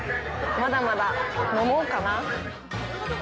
まだまだ飲もうかな。